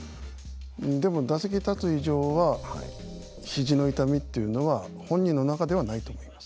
でも打席立つ以上はひじの痛みっていうのは本人の中ではないと思います。